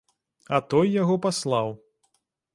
А той яго паслаў.